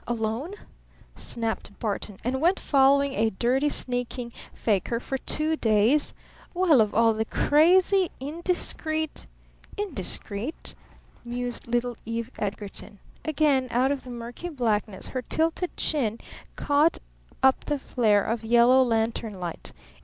Alone?" snapped Barton. "And went following a dirty, sneaking fakir for two days? Well, of all the crazy indiscreet " "Indiscreet?" mused little Eve Edgarton. Again out of the murky blackness her tilted chin caught up the flare of yellow lantern light.